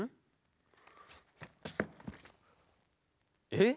えっ？